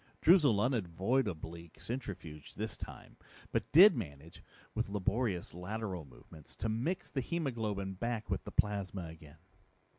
Droozle unavoidably centrifuged this time, but did manage, with laborious lateral movements, to mix the hemoglobin back with the plasma again.